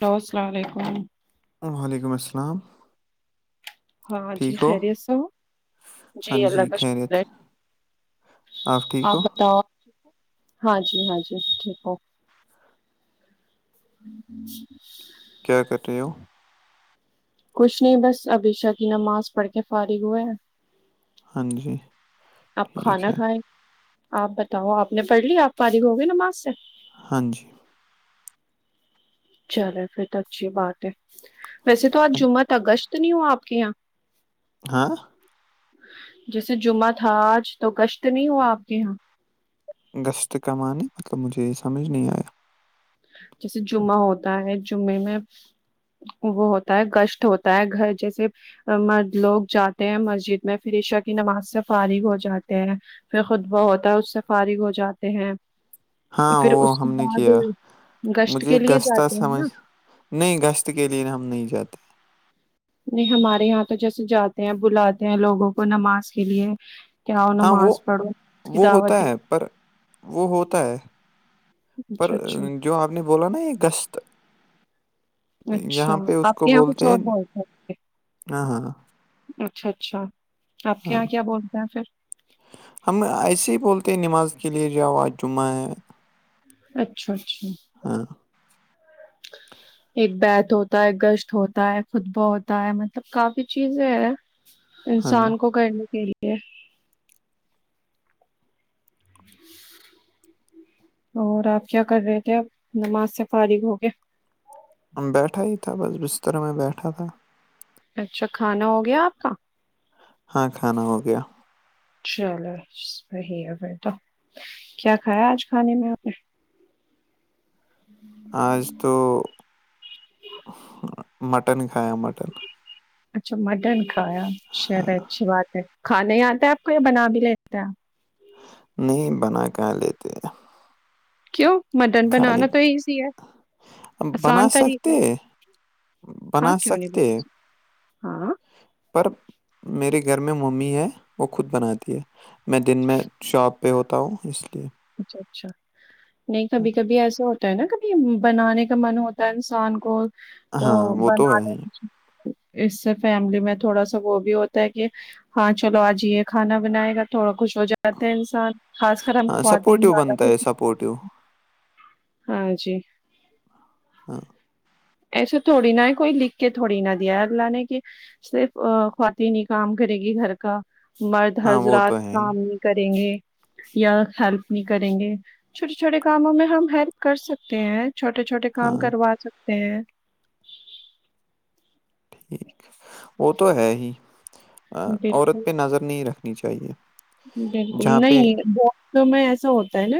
hello السلام علیکم وعلیکم السلام ہاں جی ٹھیک ہو خیریت سےہو جی ہاں اللہ کا شکر خیریت ہے آپ ٹھیک ہو ہاں جی ہاں جی ٹھیک ہےک ہ کیا کر رہے ہو کچھ نہیں بس ابھی شا کی نماز پڑھ کے فارغ ہوئے ہے ہاں جی آپ ٹھیک کھانا ہے کھائیں آپ بتاؤ آپ نے پڑھ لی آپ فاریغ ہو گی نماز سے ہاں جی چلو پھر تو اچھی بات ہے ویسے تو آج اچ- جمعہت اگشت نہیں ہو آپ کے یہاں ہاں جیسے جمعہ تھا آج تو کشت نہیں ہوا آپ کے یہاں گشت کمانے مطلب مجھے یہ سمجھ نہیں آیا جیسے جمعہ ہوتا ہے جمعے میں وہ ہوتا ہے کشت ہوتا ہے گھر جیسے لوگ جاتے ہیں مسجد میں پھر عشا کی نماز سے فارغ ہو جاتے ہیں پھر خطبا ہوتا ہے اس سے فارغ ہو جاتے ہیں ہاں پھر وہ اس کے ہم نے بعد کیا کشٹ مجھے کے لیے گشتہ جاتے ہیں سمجھ نا نہیں گشت کے لیے ہم نہیں جاتے نہیں ہمارے یہاں تو جیسے جاتے ہیں بلاتے ہیں لوگوں کو نماز کے لیے کیا آؤ ہاں وہ نماز پڑھو اس کی وہ ہوتا دعوت دے ہے پر وہ ہوتا ہے پر اچھا اچھا جو آپ نے بولا نا یہ گشت اچھا یہاں پہ اس آپ کو کے یہاں کچھ بولتے اور ہیں بولتے ہاں ہاں اچھا اچھا آپ کے ہاں یہاں کیا بولتے ہیں پھر ہم ایسے ہی بولتے ہیں نماز کے لیے جاؤ آج جمعہ ہے اچھا اچھا ہاں ا ایک بیت ہوتا ہے گشت ہوتا ہے خطبہ ہوتا ہے مطلب کافی چیزیں ہے ہاں انسان کو کرنے کے لیے اور آپ کیا کر رہے تھے ا نماز سے فارغ ہوگیا بیٹھا ہی تھا بس بستر میں بیٹھا تھا اچھا کھانا ہو گیا آپ کا ہاں کھانا ہو گیا چلو صی ہے پھر تو کیا کھایا آج کھانے میں آپ نے ہ آج تو مٹن کھایا مٹن اچھا مٹن کھایا شہر ہاں ہے اچھی بات ہے کھاناے آتا ہے آپ کو یا بنا بھی لیتا ہے نہیں بنا کر لیتے کیوں مٹن خالی بنانا تو ایزی ہے بنا آسان طریقہ سکتے ہے ہاں بنا کیوں نہیں بول سکتے ہاں پر میرے گھر میں ممی ہے وہ خود بناتی ہے میں دن میں شاپ پہ ہوتا ہوں اس لیے اچھا اچھا نہیں کبھی کبھی ایسا ہو نا کبھی بنانے کا من ہوتا ہے انسان کو تو ہاں وہ تو بنا ہے ہی ل اس سے فیملی میں تھوڑا سا وہ بھی ہوتا ہے کہ ہاں چلو آج یہ کھانا بنائے گا تھوڑا کچھ ہو جاتا ہے انسان خاص کر ہاں خواتین سپورٹیو زیادہ بنتا ہے خوش سپورٹیو ہاں جی ہ ہاں ایسے تھوڑی نہا کوئی لکھ کے تھوڑی نہا دیا اللہ نے کہ صرف خواتین ہی کام کرے گی گھر کا مرد ہاں وہ حرضرات تو ہے ہی کام کریں گے یا ہیلپ نہیں کریں گے چھوٹے چھوٹے کاموں میں ہم ہیلپ کر سکتے ہیں چھوٹے چھوٹے کام ہاں کروا سکتے ہیں ٹھیک وہ تو ہے ہی بالکل عورت پہ نظر نہیں رکھنی چاہیے بالکل جہاں پہ نہیں ب میں ایسا ہوتا ہے نا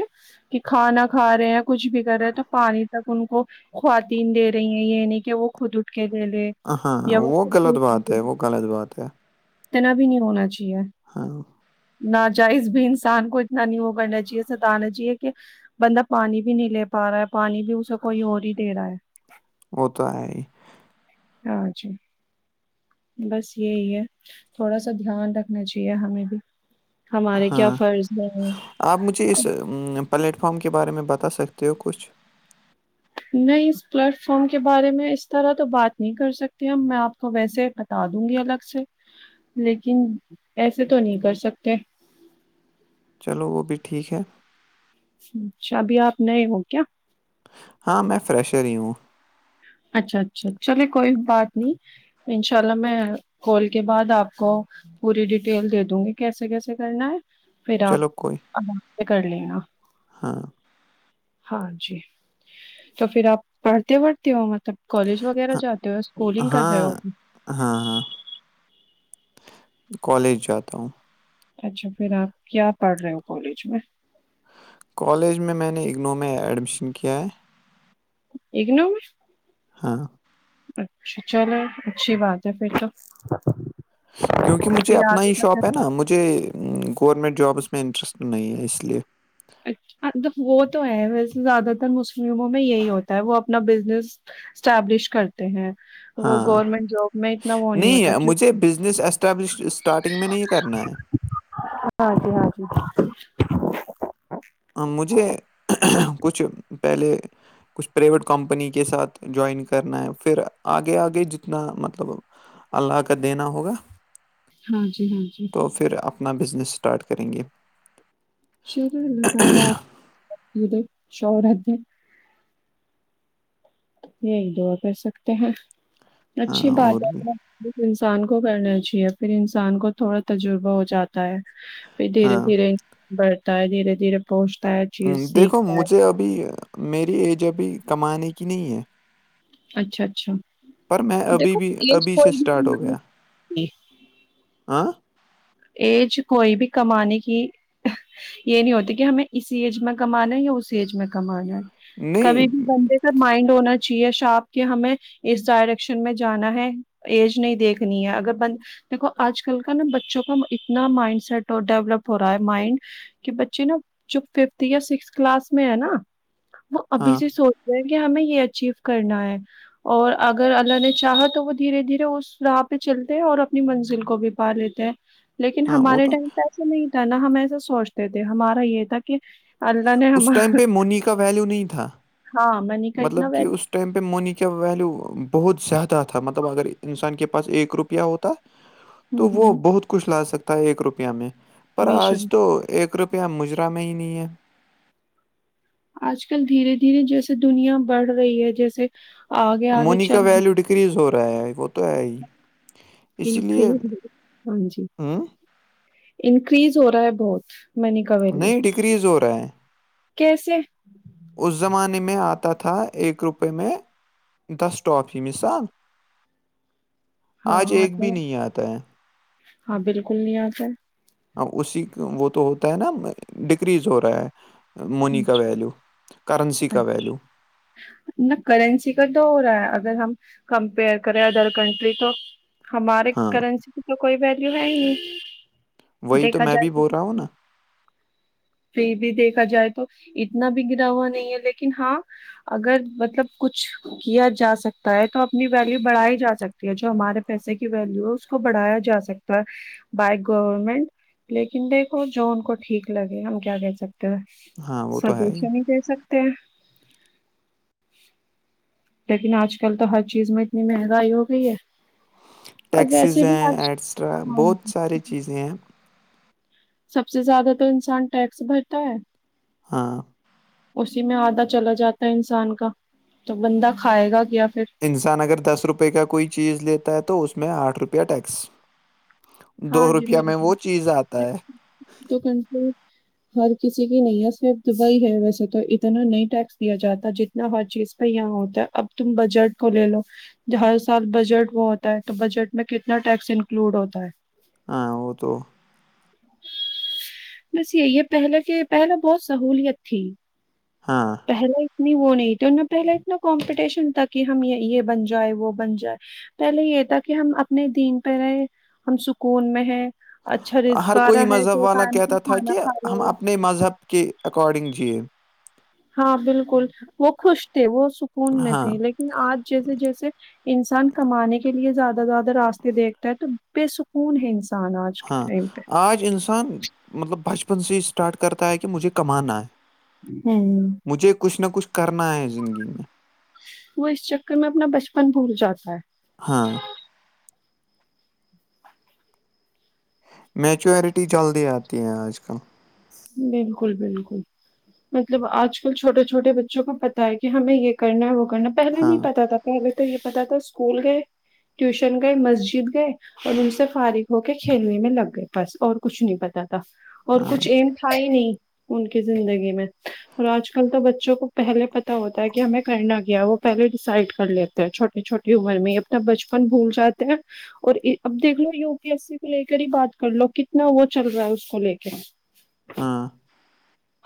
کہ کھانا کھا رہے ہیں یا کچھ بھی کر رہے ہیں تو پانی تک ان کو خواتین دے رہی ہیں یہ نہیں کہ وہ خود اٹھ کے دے لے ہاں یا وہ غلط خود بات لے، ہے وہ غلط بات ہے اتنا بھی نہیں ہونا چاہیے ہاں نا جائز بھی انسان کو اتنا نہیں وہ کرنا چاہیے ستانا چاہیے کہ بندہ پانی بھی نہیں لے پا رہا ہے پانی بھی اسے کوئی اور ہی دے رہا ہے وہ تو ہے ہی ہاں جی بس یہی ہے تھوڑا سا دھیان رکھنا چاہیے ہمیں بھی ہمارے کیا ہاں، فرض ہے آپ مجھے اس پلیٹ فم کے بارے میں بتا سکتے ہو کچھ نہیں اس پلیٹ فارم کے بارے میں اس طرح تو بات نہیں کر سکتی ہم میں آپ کو ویسے ہی بتا دوں گی الگ سے لیکن ایسے تو نہیں کر سکتے چلو وہ بھی ٹھیک ہے اچھا ابھی آپ نئے ہ کیا ہاں میں فریشر ہی ہوں اچھا اچھا چلے کوئی بات نہیں انشاء اللہ میں کال کے بعد آپ کو پوری ڈیٹیل دے دوں گی کیسے کیسے کرنا ہے پھر آپ چلو کوئی آرام سے کر لینا ہاں ہاں جی تو پھر آپ پڑھتے وڑھتے ہو مطلب کالج وغیرہ ہاں، جاتے ہو اسکولنگ کر رہے ہو ہاں، ہاں ہاں کالج جاتا ہوں اچھا پھر آپ کیا پڑھ رہے ہو کالج میں کالج میں میں نے اگنو میں ایڈمیشن کیا ہے ایکن میں ہاں اچھا چلو اچھی بات ہے پھر تو کیونکہ مجھے پھر اپنا آگے ہی کا شاپ پھر- ہے نا مجھے گورمنٹ جابس میں انٹرسٹ نہیں ہے اس لیے اچھ وہ تو ہے ویسے زیادہ تر مسلموں میں یہی ہوتا ہے وہ اپنا بزنس اسٹبلش کرتے ہیں وہ ہاں گورنمنٹ جاب میں اتنا وہ ہوتا نہیں کیوں مجھے بزنس اسٹبلش اسٹارٹنگ میں نہیں یہ کرنا ہے ہاں جی ہاں جی ا مجھے کچھ پہلے کچھ پرریویٹ کمپنی کے ساتھ جوائن کرنا ہے پھر آگے آگے جتنا مطلب اللہ کا دینا ہوگا ہاں جی ہاں جی تو پھر اپنا بزنس اسٹارٹ کریں گے شر اللہ تعالیپ شرت یہ ایک دعا کر سکتے ہیں اچھی ہاں اور بات بھی ہے انسان کو کرنا ا چاہیے پھر انسان کو تھوڑا تجربہ ہو جاتا پھر دھیرے ہاں دھیرے بڑھتا ہے دھیرے دھیرے پوچتا ہے چیز دیکھو سیکھتا ہے مجھے ابھی میری ایج ابھی کمانے کی نہیں ہے اچھا اچھا پر میں ابھی دیکھو بھی ایج ابھی کوئی سے بھی اسٹارٹ ہو کمانے گیا کی آ [unintelligible] ایج کوئی بھی کمانی کی یہ نہیں ہوتی کہ ہمیں اسی ایج میں کمانا ہے یا اس ایج میں کمانا ہے نہیں کبھی بھی بندے مائنڈ ہونا چاہیے شاپ کے ہمیں اس ڈائریکشن میں جانا ہے ایج نہیں دیکھنی ہے اگر بند دیکو آج کل کا نا بچوں کو اتنا مائنڈ سیٹ ڈیولپ ہو رہا ہے مائنڈ کہ بچے نا جو ففتھ یا سکس کلاس میں ہے نا وہ ابھی ہاں سے سوچ کہ ہمیں یہ اچیو کرنا ہے اور اگر اللہ نے چاہا تو وہ دھیرے دھیرے اس راہ پہ چلتے ہیں اور اپنی منزل کو بھی پا لیتے ہیں لیکن ہاں وہ ہمارے تو ٹائم پ ایسا نہیں تھا نہا ہم ایسا سوچتے تھے ہمارا یہ تھا کہ اللہ نے اس ہم ٹائم پہ مونی کا ویلو نہیں تھا ہاں م مطلب کہ اس ٹائم پہ منی کا ویلیو بہت زیادہ تھا مطلب اگر انسان کے پاس ایک روپیہ ہوتا [inaudible] تو وہ بہت کچھ لا سکتا ہے ایک روپیہ میں پر آج بیشک تو ایک روپیہ مجرا میں ہی نہیں ہے آج کل دھیرے دھیرے جیسے دنیا بڑھ رہی ہے جیسے آگے آگے مونی کا چل ویلو ڈکریز ہو رہا ہے وہ تو ہے ہی اسی لیے انکریز ہاں جی ہوں انکریز ہو رہا ہے بہت منی کا ویلیو نہیں ڈگریز ہو رہا ہے کیسے اس زمانے میں آتا تھا ایک روپے میں دسٹاپ ہی مثال ہاں آج ایک آتے بھی نہیں آتا ہے ہاں بالکل نہیں آتا ا اسی وہ تو ہوتا ہے نا ڈکریز ہو رہا ہے ہے مونی کا اچھا ویلو کرنسی کا ویلو نہ کرنسی کا تو ہو رہا ہے اگر ہم کمپیئر کریں ادر کنٹری تو ہمارے ہاں کرنسی کی تو کوئی ویلیو ہے ہی نہیں وہی دیکھا میں جائے بھی تو بول رہا ہوں نا پھر بھی دیکھا جائے تو تو اتنا بھی گرا ہوا نہیں ہے لیکن ہاں اگر مطلب کچھ کیا جا سکتا ہے تو اپنی ویلو بڑھائی جا سکتی ہے جو ہمارے پیسے کی ویلو ہے اس کو بڑھایا جا سکتا ہے بائی گورنمنٹ لیکن دیکھو جو ان کو ٹھیک لگے ہم کیا کہ سکتے ہو ہاں وہ تو ہے سجیشن ہی دے سکتے ہیں لیکن آج کل تو ہر چیز میں اتنی مہنگائی ہو گئی ہے اور ٹیکسیز ویسے بھی ہیں ایٹسٹرا آج بہت ساری چیزیں ہیں سب سے زیادہ تو انسان ٹیکس بھرتا ہے ہاں اسی میں آدھا چلا جاتا ہے انسان کا تو بندہ کھائے گا کیایا پھر انسان اگر دس روپئے کا کوئی چیز لیتا ہے تو اس میں آٹھ روپیہ ٹیکس دو ہاں جی روپیہ میں وہ بالکل چیز آتا ہے تو کنٹ ہر کسی کی نہیں ہے صرف دبئی ہے ویسے تو اتنا نہیں ٹیکس دیا جاتا ج ن ہر چیز کا یہاں ہوتا ہے اب تم بجٹ کو لے لو ہر سال بجٹ وہ ہوتا ہے تو بجٹ میں کتنا ٹیکس انکلوڈ ہوتا ہے ہاں وہ تو بس یہ یہ پہلے کے پہلے بہت سہولیت تھی ہاں پہلے اتنی وہ نہیں تھی ان میں پہلے اتنا کمپٹیشن تھا کہ ہم یہ بن جائے وہ بن جائے پہلے یہ تھا کہ ہم اپنے دین پہ رہے ہم سکون میں ہیں اچھا رسگ رہا ہے دوم کیا ہم اپنے مذہب کے اکارڈنگ جیے ہاں بالکل وہ خوش تھے وہ سکون میں ہاں تھے لیکن آج جیسے جیسے انسان کمانے کے لیے زیادہ زیادہ راستے دیکھتا ہے تو بے سکون ہے انسان آج ہاں کے ٹائم پہ آج انسان مطلب بچپن سے ہی اسٹارٹ کرتا ہے کہ مجھے کمانا ہے ہوں مجھے کچھ نہ کچھ کرنا ہے زندگی میں وہ اس چکر میں اپنا بچپن بھول جاتا ہے ہاں میچورٹی جلدی آتی ہے آج کل بالکل بالکل مطلب آج کل چھوٹے چھوٹے بچوں کو پتا ہے کہ ہمیں یہ کرنا ہے وہ کرنا پہلے نہیں ہاں پتا تھا پہلے تو یہ پتا تھا اسکول گئے ٹیوشن گئے مسجد گئے اور ان سے فارغ ہو کے کھیلنے میں لگ گئے بس اور کچھ نہیں پتا تھا اور ہاں کچھ ایم تھا نہیں ان کی زندگی میں اور آج کل تو بچوں کو پہلے پتا ہوتا ہے کہ ہمیں کرنا کیا وہ پہلے ڈیسائڈ کر لیتے ہیں چھوٹے چھوٹے عمر میں اپنا بچپن بھول جاتے ہیں اور اب دیکھ لو یو پی ایس سی کو لے کر ہی بات کر لو کتنا وہ چل رہا ہے اس کو لے کے ہاں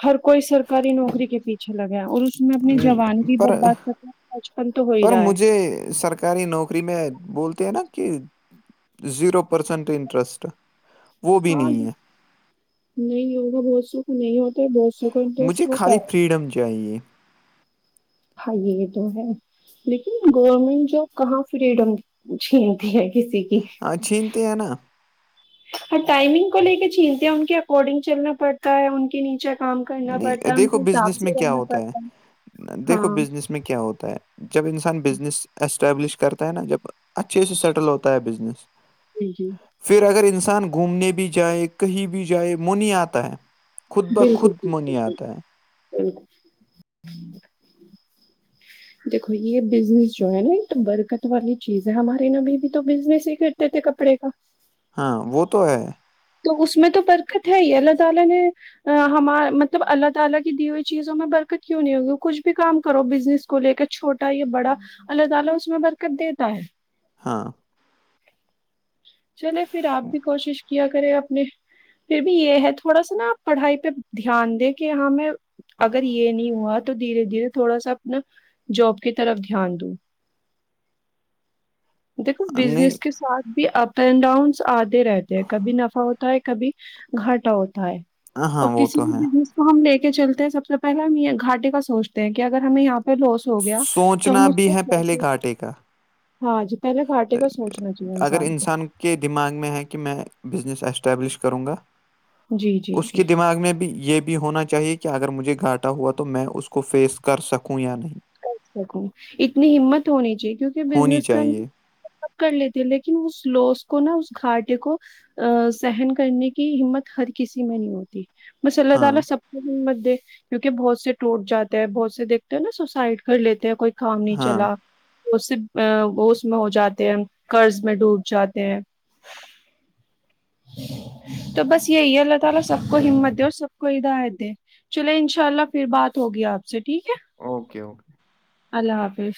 ہر کوئی سرکاری نوکری کے پیچھے لگا اور اس میں اپنی جوبان بھی پر برباد کرتا بچپن تو ہو ہی پر رہا ہے مجھے سرکاری نوکری نری میں بولتے ہیں نا کہ زیرو پرسینٹ انٹرسٹ وہ بھی ہاں نہیں ہے نہیں ہوگا بہت سکھ نہیں ہوتا بہت سکھ انٹرسٹ مجھے ہوتا خالی ہے فریڈم چاہیے بھائی یہ یہ تو ہے لیکن گورنمنٹ جاب کہاں فریڈم چھینتی ہے کسی کی ہاں چھینتے ہیں نا ہاں ٹائمنگ کو لے کے چھیلتے ہیں ان کے اکارڈنگ چلنا پڑتا ہے ان کے نیچا نہیں دیکھو بزنس میں کیا ہوتا ہے دیکھو ہاں بزنس میں کیا ہوتا ہے جب انسان بزنس اسٹیبلش کرتا ہے نا جب اچھے سے سیٹل ہوتا ہے بزنس جی جی پھر اگر انسان گھومنے بھی جائے کہیں بھی جائے من نہیں آتا ہے خود بخت ج ج ج دیکھو یہ بزنس جو ہے نا ایک تو برکت والی چیز ہے ہمارے ن ابھی بھی تو بزنس ہی تے تھ کپڑے کا ہاں وہ تو ہے تو اس میں تو برکت ہے ہی اللہ تعالی نے ہما مطلب اللہ تعالی کی دی ہوئی چیزوں میں برکت کیوں نہیں ہوگی کچھ بھی کام کرو بزنس اس کو لے کر چھوٹا یا بڑا اللہ تعالی اس میں برکت دیتا ہے ہاں چلے پھر آپ بھی کوشش کیا کرے اپنے پھر بھی یہ ہے تھوڑا سا نا پڑھائی پہ دھیان دے کہ ہمیں اگر یہ نہیں ہوا تو دھیرے دھیرے تھوڑا سا اپنا جاب کی طرف دھیان دوں دیکھو نہیں بزنس کے ساتھ بھی اپ اینڈ ڈاؤنس آتے رہتے ہیں کبھی نفع ہوتا ہے کبھی گھاٹا ہوتا ہے ہاں اور وہ کسی تو ہے بھی تو ہم لے کے چلتے ہیں سب سے پہلے ہم یہ گھٹے کا سوچتے ہیں کہ اگر ہمیں یہاں پہ لو ہو گیا تو ہم سوچنا اس بھی ہے پہلے کوسے گھاٹے کا ہاں ج اگر انسان کے دماغ میں ہے کہ میں بزنس اسٹیبلش کروں گا جی جی اس جی کے دماغ میں بھی یہ بھی ہونا چاہے کہ اگر مجھے گاٹا ہوا تو میں اس کو فیس کر سکوں یا نہیں کر سکوں اتنی ہمت ہونی چاہیے کیونکہ ہونی بزنس کرنا چاہیے سب کر لیتی ہے لیکن اس لوس کو نہا اس گھاٹے کو ا سحن کرنے کی ہمت ہر کسی میں نہیں ہوتی بس اللہ ہاں تعالی سب کو ہمت دے کیونکہ بہت سے ٹوٹ جاتے ہے بہت سے دیکھ ہیں نا س سائڈ کر لیتے ہیں کوئی کام نہیں ہاں چلا اس سے وہ اس میں ہو جاتے ہیں قرض میں ڈوب جاتے ہیں تو بس یہی اللہ تعالی سب کو ہمت دے اور سب کو چلے انشاء اللہ پھر بات ہوگی آپ سے ٹھیک ہے اوکے اوکے اللہ حافظ